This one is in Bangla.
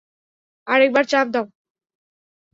আরেকবার চাপ দাও।